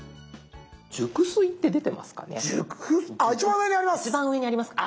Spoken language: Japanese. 「熟睡」って出てますかね。